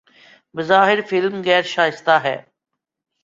بظاہر فلم غیر شائستہ ہے